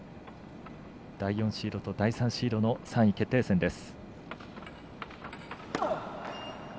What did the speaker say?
第４シードと第３シードの３位決定戦です。